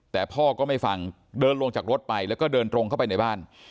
แต่พ่อก็ไม่ฟังเดินลงจากรถไปแล้วก็เดินตรงเข้าไปในบ้าน